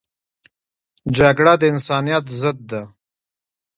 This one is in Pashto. جګړه د انسانیت ضد ده